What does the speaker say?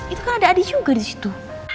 itu kan ada adi juga disitu